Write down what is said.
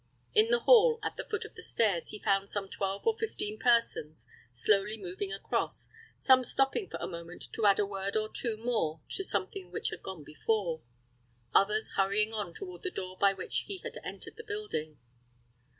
In the hall, at the foot of the stairs, he found some twelve or fifteen persons slowly moving across, some stopping for a moment to add a word or two more to something which had gone before; others hurrying on toward the door by which he had entered the building.